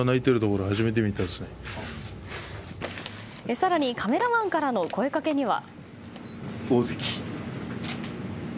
更にカメラマンからの声掛けには。